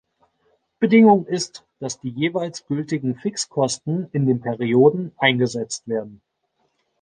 Bedingung ist, dass die jeweils gültigen Fixkosten in den Perioden eingesetzt werden.